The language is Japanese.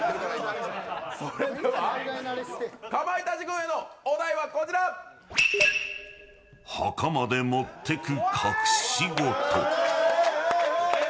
それではかまいたち軍へのお題墓まで持ってく隠しごと。